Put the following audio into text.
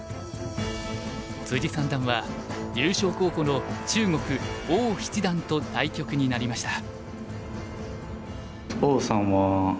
三段は優勝候補の中国王七段と対局になりました。